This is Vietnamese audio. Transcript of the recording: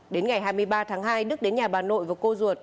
đến ngày hai mươi ba tháng hai đức đến nhà bà nội và cô ruột